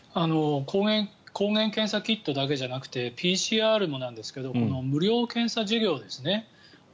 抗原検査キットだけじゃなくてＰＣＲもなんですけど無料検査事業ですね。